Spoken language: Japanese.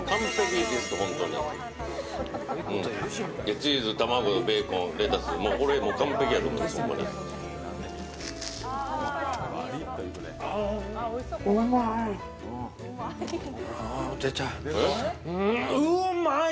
チーズ、卵、ベーコン、レタスこれ完璧やと思います、ほんまに。